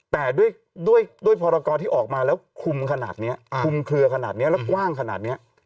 แต่ด้วยพรกรที่ออกมาแล้วคุมขนาดนี้คุมเคลือขนาดนี้แล้วกว้างขนาดนี้